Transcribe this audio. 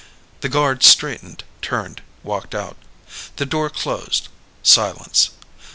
The guard straightened, turned, walked out. The door closed. Silence.